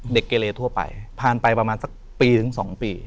พลาดไปประมาณปีถึงสองปี